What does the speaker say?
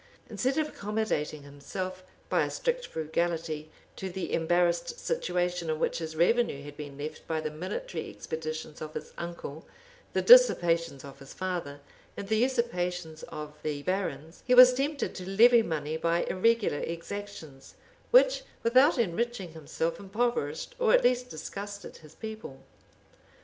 Instead of accommodating himself, by a strict frugality, to the embarrassed situation in which his revenue had been left by the military expeditions of his uncle, the dissipations of his father, and the usurpations of the barons, he was tempted to levy money by irregular exactions, which, without enriching himself, impoverished, at least disgusted, his people.